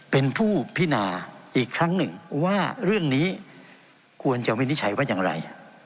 เป็นผู้พินาอีกครั้งหนึ่งว่าเรื่องนี้ควรจะวินิจฉัยว่าอย่างไร